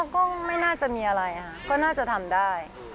ก็ไม่น่าจะมีอะไรค่ะก็น่าจะทำได้